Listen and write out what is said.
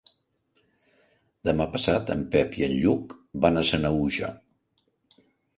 Demà passat en Pep i en Lluc van a Sanaüja.